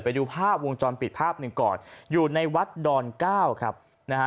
ไปดูภาพวงจรปิดภาพหนึ่งก่อนอยู่ในวัดดอนเก้าครับนะฮะ